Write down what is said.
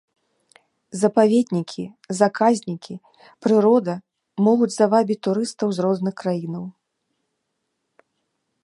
Запаведнікі, заказнікі, прырода могуць завабіць турыстаў з розных краінаў.